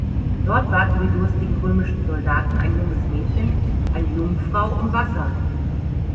Dort baten die durstigen römischen Soldaten ein junges Mädchen, eine Jungfrau, um Wasser.